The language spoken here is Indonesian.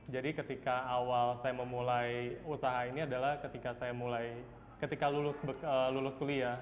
jadi ketika awal saya memulai usaha ini adalah ketika saya mulai ketika lulus kuliah